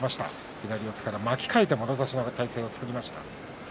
左四つから巻き替えてもろ差しの体形もろ差しの体勢を作りました。